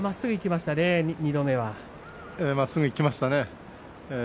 まっすぐいきましたね。